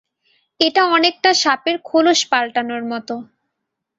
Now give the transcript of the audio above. এটা অনেকটা সাপের খোলস পালটানোর মতো।